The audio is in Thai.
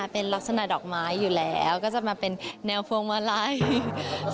เป็นลักษณะดอกไม้อยู่แล้วก็จะมาเป็นแนวพวงมาลัย